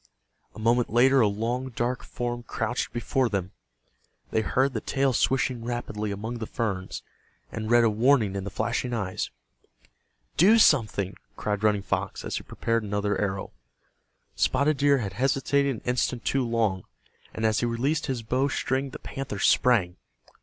A moment later a long dark form crouched before them. They heard the tail swishing rapidly among the ferns, and read a warning in the flashing eyes. "Do something!" cried Running Fox, as he prepared another arrow. Spotted Deer had hesitated an instant too long, and as he released his bow string the panther sprang.